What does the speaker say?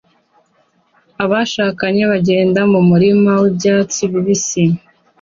Abashakanye bagenda mumurima wibyatsi bibisi